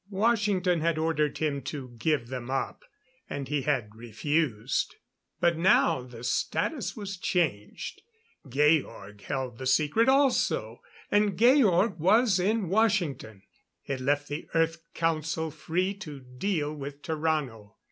Washington had ordered him to give them up, and he had refused. But now the status was changed. Georg held the secret also and Georg was in Washington. It left the Earth Council free to deal with Tarrano.